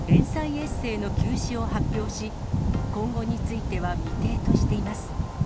エッセーの休止を発表し、今後については未定としています。